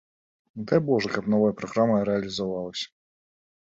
Дай божа, каб новая праграма рэалізавалася.